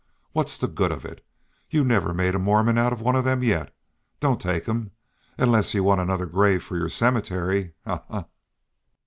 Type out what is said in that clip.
What's the good of it? You never made a Mormon of one of them yet. Don't take him unless you want another grave for your cemetery.